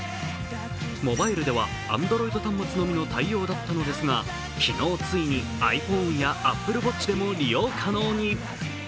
モバイルではＡｎｄｒｏｉｄ端末のみの対応だったのですが昨日、ついにｉＰｈｏｎｅやＡｐｐｌｅＭｕｓｉｃで利用可能に。